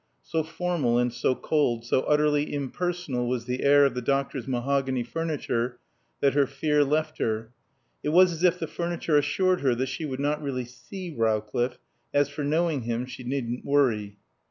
So formal and so cold, so utterly impersonal was the air of the doctor's mahogany furniture that her fear left her. It was as if the furniture assured her that she would not really see Rowcliffe; as for knowing him, she needn't worry.